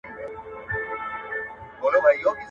¬ پردى مال نه خپلېږي.